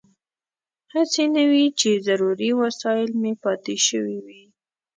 هسې نه وي چې ضروري وسایل مې پاتې شوي وي.